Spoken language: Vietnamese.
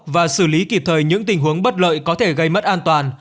và xử lý kịp thời những tình huống bất lợi có thể gây mất an toàn